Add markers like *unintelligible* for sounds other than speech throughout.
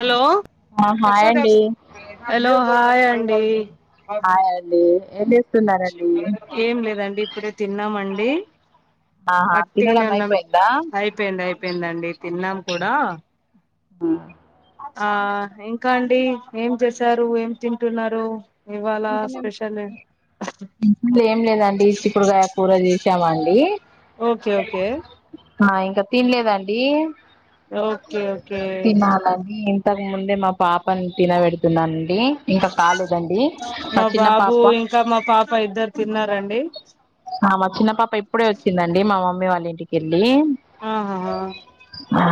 Hello ఆ! Hi అండి. Hello hi అండి హాయ్ అండి ఎం చేస్తున్నారు అండి ఏం లేదండి ఇప్పుడే తిన్నామ్ అండి ఆహా! అట్టిగానే తినడం ఉన్నాం అయిపోయిందా? అయి ఐపోయింది అయిపోయిందండి తిన్నాం కూడా ఆ ఆ ఇంకా అండి ఏం చేసారు ఏం తింటున్నారు ఇవాళ ఇంకా మేమ్ స్పెషల్ ఇంక ఏం లేదండి చిక్కుడుగయా కూర చేశామ్ అండి ఓకే ఓకే ఆ ఇంకా తినలేదండి ఓకే ఓకే తినాలని ఇంతకుముందే మా పాపని తినబెడుతున్నాండి ఇంకా కాలేదండి మా చిన్న బాబు పాప ఇంకా మా పాప ఇద్దరు తిన్నారండి ఆ మా చిన్న పాప ఇప్పుడే వచ్చిందండి మా మమ్మీ వాళ్ళ ఇంటికి కెళ్లి ఆహాహా ఆ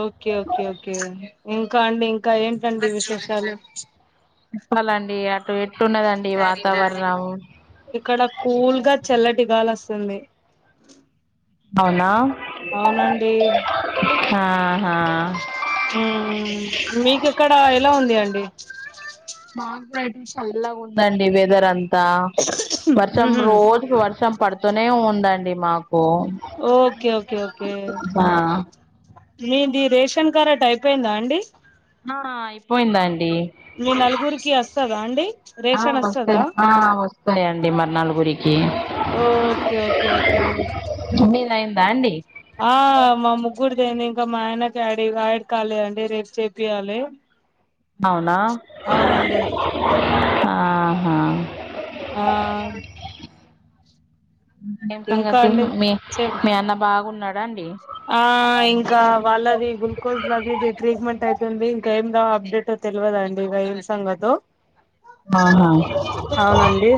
ఓకే ఓకే ఓకే అండి ఇంకా అండి ఇంకా ఏంటండి విశేషాలు ప్లాలండి అటు ఎట్టున్నదండి వాతావరణం ఇక్కడ కూల్ గా చల్లటిగాల్ వస్తుంది అవునా అవునండి హాహా ఉమ్ మీకక్కడ ఎలా ఉంది అండి మాసైడ్ చల్లగా ఉందండి వెదర్ అంతా తా మ్హు వర్షం రోజుకు వర్షం పడుతూనే ఉందండి మాకు ఓకే ఓకే ఓకే ఆ మీది రేషన్ కరట్ అయిపోయిందా అండి హా అయిపొయింది అండి మీ నలుగురికి వస్తదా అండి ఆ రేషన్ వస్తదా వస్తను ఆ వస్తాయండి మరి నలుగురి కి ఓ ఓకే ఓకే ఓకే మీది అయిందా అండి ఆ మా ముగ్గురుదియింది ఇంకా మా అయన ఆడ్ కాలే అండి రేపు చేయిపియాలి అవునా ఆహా ఆ ఏం ఇంకా సంగతి అండి మీ మీ చెప్ అన్న బాగున్నాడాండి ఆ ఇంకా వాళ్ళది గుల్ కోజ్ లదిది ట్రీట్మెంట్ అయితుంది ఇంకా ఏమి అప్డేట్ అవు తెలువదండి ఇగ ఏం సంగతో ఆహా అవునండి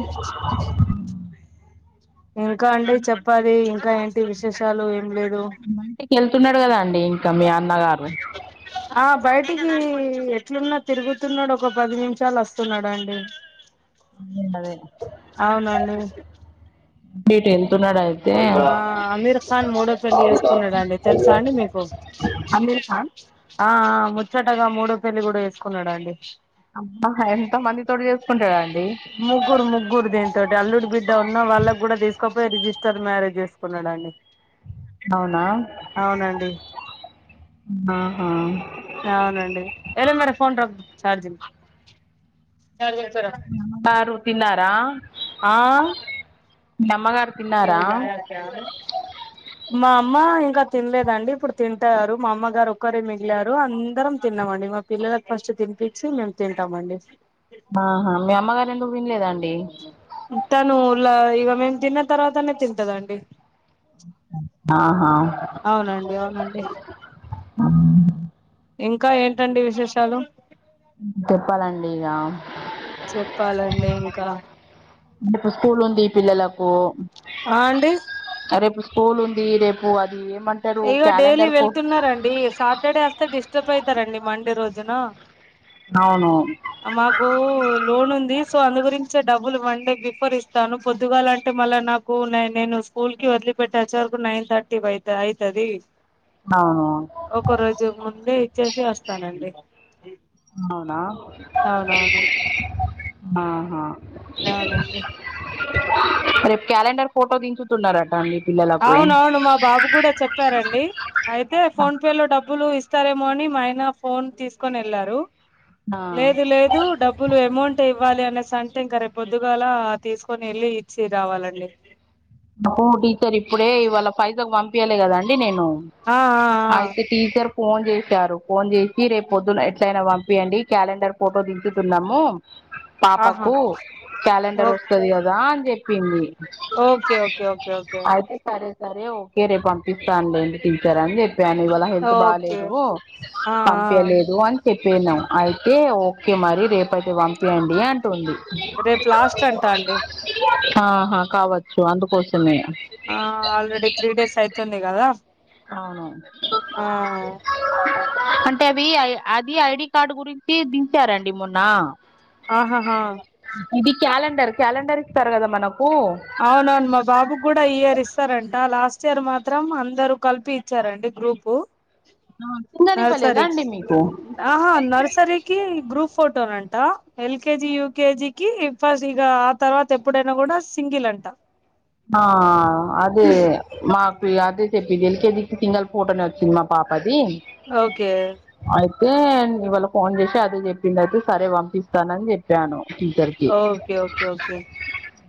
ఇంకా అండి చెప్పాలి ఇంకా ఏంటి విశేషాలు ఏం లేదు ఇట్ల ఎళ్తున్నాడు కదా అండి ఇంకా మీ అన్నగారు పిట్టా ఆ బయటికి ఎట్లున్నా తిరుగుతున్నడు ఒక పది నిమిషాలు వస్తున్నాడండి అదే అవునండి ఎట్ ఏళ్తున్నాడండి ఆ అమీర్ఖాన్ మూడో పెళ్లి చేసుకున్నడండి తెలుసా అండి మీకు అమీర్ ఖాన్ ఆ ఆ ముచ్చటగా మూడో పెళ్లి కూడా చేసుకున్నాడండి అబ్బా అమ్ ఎంత మందితోటి చేసుకుంటడండి ము ముగ్గురు ముగ్గురు దీనితోటి అల్లుడి బిడ్డ ఉన్న వాళ్ళకి కూడా తీసుకపోయి రిజిస్టర్ మ్యారేజ్ చేసుకున్నడండి అవునా ఆహా అవునండి ఎలో మేర ఫోన్ రక్ చార్జింగ్ బారు తిన్నారా మీ అమ్మగారు తిన్నారా ఈరోజు తేవాలి తేవలేదు మా అమ్మ ఇంకా తినలేదండి ఇప్పుడు తింటారు మా అమ్మ గారు ఒక్కరు మిగిలారు అందరం తిన్నామండి మా పిల్లలకు ఫస్ట్ తినిపించి మేము తింటామండి ఆహా మీ అమ్మగారు ఎందుకు తినలేదండి తాను ముళ్ల ఇగ మేము తిన్న తర్వాతనే తింటదండి ఆహా అవునండి అవునండి ఇంకా ఏంటండి విశేషాలు చెప్పాలండి ఇగ చెప్పాలండి ఇంకా ఇప్పుడు స్కూల్ ఉంది పిల్లలకు ఆ అండి రేపు స్కూల్ ఉంది రేపు అది ఏమం ఇగ డైలీ వెళ్తున్నారండి సాటర్డే వస్తే డిస్టర్బ్ అయితారండి మండే రోజున అవును మాకు లోన్ ఉంది సో అందు గురించె డబ్బులు వన్ డే బి ఫోర్ ఇస్తాను పొద్దుగాలంటే మళ్ళా నాక్ కు నై నేను స్కూల్ కి వదిలిపెట్టి వచ్చే వరకు నైన్ థర్టీ అయి అయితది అవునవును ఒక రోజు ముందే ఇచ్చేసి వస్తానండి అవునా అవునవును ఆహా అవునండి రేపు క్యాలెండర్ ఫోటో దించుతున్నరట అండి పిల్లలకు అవునవును మా బాబు కూడా చెప్పారండి అయితే ఫోన్ పే లో డబ్బులు ఇస్తారేమో అని మా ఆయన ఫోన్ తీసుకొని వెళ్లారు ఆ లేదు లే దు డబ్బులు అమౌంట్ ఇవ్వాలి అనేసి అంటే ఇంకా రేపు పొద్దుగాల తీసుకొని వెళ్ళి ఇచ్చి రావాలండి నాకు టీచర్ ఇప్పుడే ఇవాళ పైసలు పంపియలె కదాండి నేను ఆ ఆ అయితే టీచర్ ఫోన్ చేసారు ఫోన్ చేసి రేపు పొద్దున ఎట్లయినా పంపియండి క్యాలెండర్ ఫోటో దించుతున్నాము ఆ ఆహా పాపకు క్యాలెండర్ ఓకే వస్తది కదా అని చెప్పింది ఓకే ఓకే ఓకే ఓకే అయితే సరే సరే ఓకే రేపు పంపిస్తను లేండి టీచర్ అని చెప్ పాను ఇవాళ హెల్త్ ఓకే బాలేదు ఆ ఆ పంపియలేదు అని చెపిన్నం అయితే ఓకే మరి రేపయితే పంపించండి అం టుంది రేపు లాస్ట్ అంట అండి ఆహా కావచ్చు అందుకోసమే ఆ ఆల్రెడీ త్రీ డేస్ అయితుంది కదా అవును ఆ అంటే అవి ఐ అది ఐడి కార్డు గురించి దించారండి మొన్న ఆహాహా ఇది క్యాలెండర్ క్యాలెండర్ ఇస్తారు కదా మనకు అవునవును మా బాబుకి కూడా ఈ ఇయర్ ఇస్తారంట లాస్ట్ ఇయర్ మాత్రం అందరు కలిపి వచ్చారండి గ్రూపు ఆ సింగల్ నర్సరీకి ఇవ్వలేదాండి మీకు ఆహా నర్సరీకి గ్రూప్ ఫోటోనంట ఎల్కేజి యూకేజికిి ఫస్ట్ ఇక ఆ తర్వాత ఎప్పుడైనా కూడా సింగిల్ అంట ఆ అదే మాకు అదే చెప్పిది ఎల్కేజీ కి సింగల్ ఫోటని వచ్చింది మాక్ పాపాది ఓకే అయితే ఇవాళ ఫోన్ చేసి అదే చెప్పింది అయితే సరే పంపిస్తానని చెప్ పాను టీచర్ కి ఓకే ఓకే ఓకే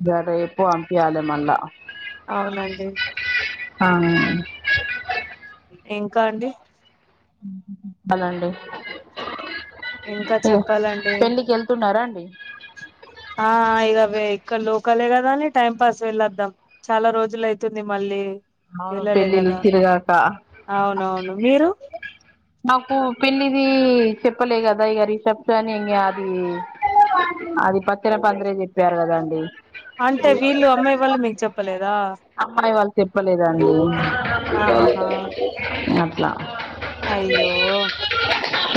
దర ఎపు వంపియాల మళ అవునండి ఆ ఇంకా అండి హలో అండీ ఇంకా ఇగో చెప్పాలండి పెళ్లికి ఎళ్ వెళ్తున్నారా అండి ఆ ఇదవే ఇక్క లోకలే కదా అని టైం పాస్ వెళ్ళొద్దాం చాలా రోజులు అయితుంది మళ్ళీ అవును వెళ్ళలే పెళ్ళిల్ కదా తిరుగాక అవునవును మీరు నాకు పెళ్ళిది చెప్పలే కదా ఇక రిషబ్స్ అని ఇం అది అది పత్తేర పందిరె చెప్పారు కదండి అంటే వీళ్ళు అమ్మాయి వాళ్ళు మీకు చెప్పలేదా అమ్మాయి వాళ్ళు చెప్పలేదండి ఆహాహా అట్లా *inaudible* అయ్యో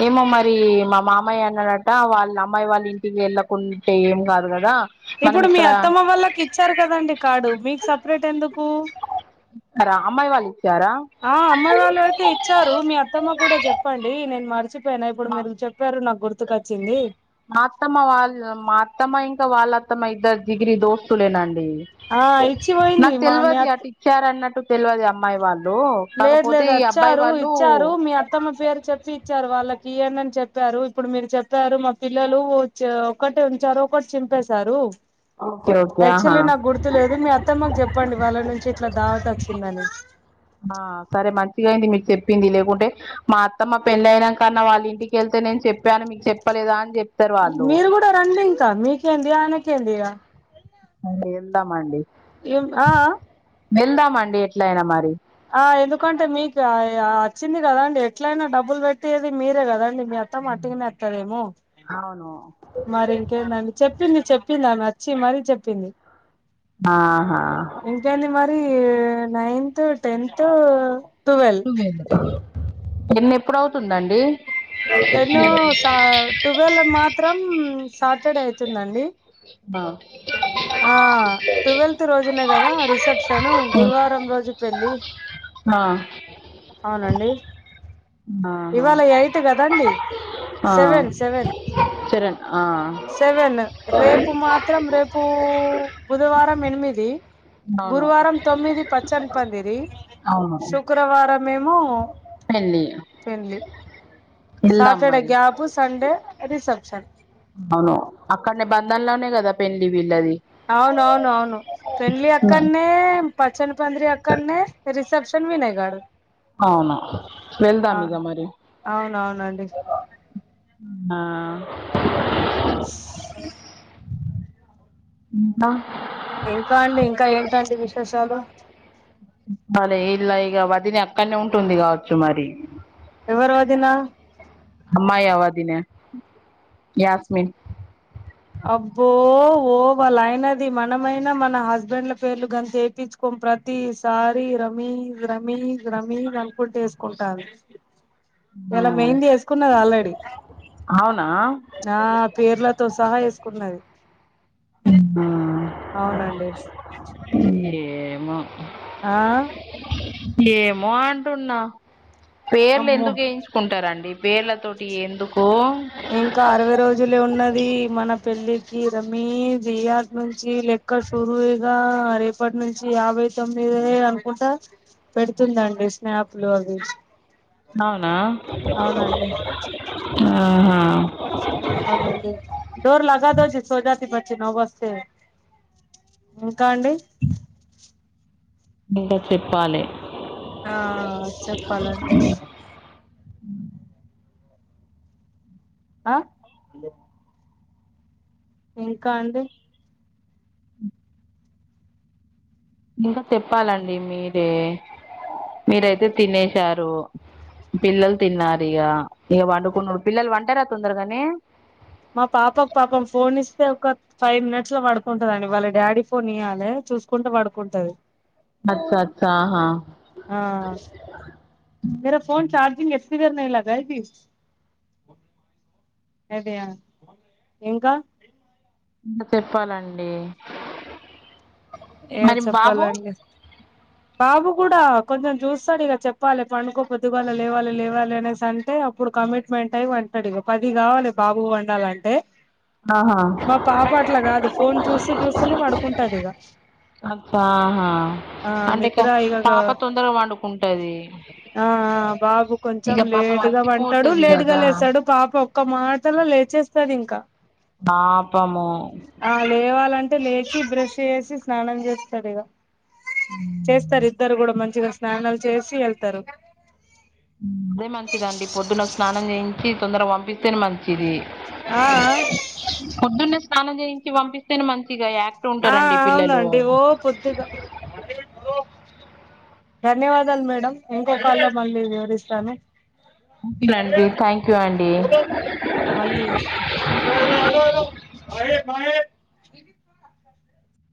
ఏమో మరి మా మామయ అన్నడాట వాళ్ళ అమ్మాయి వాళ్ళ ఇంటికి వెళ్ళకుంటే ఏం కాదు కదా మనం ఇప్పుడు మీ ఇక్కడ అత్తమ్మ వాళ్ళకి ఇచ్చారు కదండి కార్డు మీకు సపరేట్ ఎందుకు ర అమ్మాయి వాళ్ళు ఇచ్చారా ఆ అమ్మాయి వాళ్ళు అయితే ఇచ్చారు మీ అత్తమ్మ కూడా చెప్పండి నేను మర్చిపోయినా ఇప్పుడు మా మీరు చెప్ ప్పారు నాకు గుర్తుకు వచ్చింది మా అత్తమ్మ వాళ్ళ మా అత్తమ్మ ఇంకా వాళ్ళ అత్తమ్మ ఇద్దరు జిగిరి దోస్తులేనండి ఆ ఇచ్చి పోయింది నాకు మా మీ తెలియదు అత్ అటు ఇచ్చారన్నట్టు తెలియదు అమ్మాయి వాళ్ళు కాకపోతే ఈ అబ్బాయి వాళ్ళు తమ పేరు చెప్పి ఇచ్చారు వాళ్ళకి ఈయండి అని చెప్పారు ఇప్పుడు మీరు చెప్పారు మా పిల్లలు ఒకటే ఉంచారు ఒకటి చింపేసారు ఓకే ఓకే ఆహా యాక్చువల్లీ నాకు గుర్తు లేదు మీ అత్తమ్మకు చెప్పండి వాళ్ళ నుంచి ఇట్లా దావత వచ్చిందని ఆ సరే మంచిగా అయింది మీకు చెప్పింది లేకుంటే మా అత్తమ్మ పెళ్ళ అయినంకన్నా వాళ్ళ ఇంటికెళ్తే నేను చెప్పాను మీకు చెప్పలేదా అని చెప్ప మీరు కూడా రండి ఇంకా మీకేందిఆయనకేంది ఇగ ఇంగ వెళ్దా మండి ఎం ఆ ఆ బెళ్దామ్ అండీ ఎట్లా అయినా మరి ఆ ఎందుకంటే మీకు అ అచ్చింది కదా అండీ ఎట్లైనా డబ్బులు పెట్టేది మీరే కదా అండీ మీ అత్తమ్మ ట్టిగనే అత్తదేమో అవును మరి ఇంకేంది అండీ చెప్పింది చెప్పింది ఆమె అచ్చి మరి చెప్పింది ఆహా కేంది మరి నైన్త్ టెన్త్ ఉ టెన్నేప్పుడు అవుతుంది అండీ టెన్ సా ట్వెల్వ్ మాత్రం సాటర్డే అయితుంది అండీ బావ్ ఆ ట్వెల్త్ రోజునే గదా రిసెప్షను గురువారం రోజు పెళ్ళి హ అవునండి ఆహా ఇవాళ ఎయిట్ కదా అండీ ఆ సెవెన్ సెవెన్ చరణ్ ఆ సెవెన్ రేపు మాత్ త్రం రేపు బుధవారం ఎనిమిది అవును. గురువారం తొమ్మిది పచ్చన్ పందిరి శుక్రవారం మెమో హళ్లియో పెండ్లి సాటర్డే మరి. గ్యాబు సండే రిసెప్షన్ అవును అక్కడనే బంధంలోనే కదా పెండ్లి వీళ్ళది అవునవును అవును పెండ్లీ హ్మ్. అక్కన్నే పచ్చని పందిరి అక్కడన్నే రిసెప్షన్ వినయ్ గాడు అవునా ఆ వెళ్దాం ఇగ మరి అవునవునండి ఉమ్ నా స్ ఇంకా ఇంకా అండి ఇంకా ఏంటండీ విశేషాలు భలే ఈల్లా ఇగ వదిన అక్కడనే ఉంటుంది కావచ్చు మరి ఎవరు వదిన అమ్మాయ వదిన యాస్మిన్ అబ్బో ఓ వాళ్ళ అయనది మనమైనా మన హస్బెండ్ల పేర్లు గంత ఎపిచ్చు కోం ప్రతీసారి రమీర్ రమీర్ రమీర్ అనుకుంటూ వేసుకుంటాంది ఇవాళ హ్మ్. మెహెందీ ఏసుకున్నది ఆల్రెడీ అవునా! ఆ పేర్లతో సహా ఏసుకున్నది *unintelligible* అవునండి ఆ ఏమో ఆ ఏమో అంటున్నా పేర్లు అమ్మో ఎందుకు ఏయించ్ కుంటారండి పేర్లతోటి ఏందుకో ఇంకా అరవై రోజులే ఉన్నది మన పెళ్ళికి రమీర్ ఇయాట్ నుంచి లె క షురూయేగా రేపటి నుంచి యాభై తొమ్మిదే అనుకుంటా పెడుతుందండీ స్నాప్ లు అవి అవునా అవునండి ఆహా అవునండీ డోర్ లాగాదోషి సో జాతి బచ్చి నవ్ వస్తే ఇంకా అండీ నింకా చెప్పాలె ఆ చెప్పాలండి ఆ ఇంకా అండి ఇంకా తెప్పాలండి మీరే మీరైతే తినేశార్ రు పిల్లలు తిన్నారు ఇగ ఇగ పండుకొనుడు పిల్లలు పంటారా తొందరగానే మా పాపకు పాపం ఫోన్ ఇస్తే ఒక ఫైవ్ మినిట్స్ లో పడుకుంటదండి వాళ్ళ డాడీ ఫోన్ ఇయ్యాలి చూసుకుంటే పడుకుంటది అచ్చచ్చా హా ఆ జరా ఫోన్ చార్జింగ్ ఎత్తి దేర్నాయె లాగాయె కి యగియా ఇంకా ఇంగ చెప్పాలండి ఏ మరి బాబు చెప్పాలండి బాబు కూడా కొంచెం చూస్తాడు ఇగ చెప్పాలి పండుకో పొద్దుగాల లేవాలి లేవాలి అనేసి అంటే ఇప్పుడు కమిట్మెంట్ అయి వంటాడు ఇగ పది కావాలి బాబుకు పండాలంటే ఆహా మా పాప అట్లా కాదు ఫోన్ చూస్తూ చూస్తూనే పడుకుంటాది ఇగ అబ్బా ఆహా అంటేక నిద్ర ఇక పాప తొందరగా పండుకుంటది ఆ ఆ బాబు కొంచెం లేటుగా పంటాడు అలసిపోతది లేటుగా కదా లేస్తాడు పాప ఒక మాటలో లేచేస్తాది ఇంక పాపము ఆ లేవాలంటే లేచి బ్రష్ చేసి స్నానం చేస్తాడు ఇగ చేస్తారు ఇద్దరు కూడా మంచిగా స్నానాలు చేసి వెళ్తారు అదే మంచిదండి పొద్దున స్నానం చేయించి తొందరగా పంపిస్తేనే మంచిది ఆ ఆ పొద్దునే స్నానం చేయించి పంపిస్తేనే మంచిగా యాక్ట్ ఆ ఉంటారండి పిల్లలు అవునండి ఓ పొద్దుగా ధన్యవాదాలు మేడం ఇంకొకలో మళ్ళీ వివరిస్తాను ఉ అండి థాంక్యూ అండి మళ్ళీ తెచ్చుకో